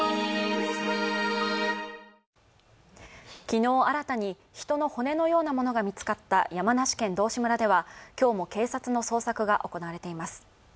昨日新たに人の骨のようなものが見つかった山梨県道志村では今日も警察の捜索が行われています。